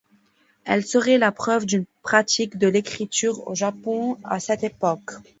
Elles seraient la preuve d'une pratique de l’écriture au Japon à cette époque.